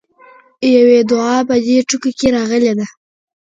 يوې دعا په دې ټکو کې راغلې ده.